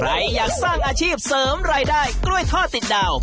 ใครอยากสร้างอาชีพเสริมรายได้กล้วยทอดติดดาว